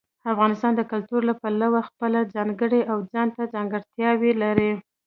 افغانستان د کلتور له پلوه خپله ځانګړې او ځانته ځانګړتیاوې لري.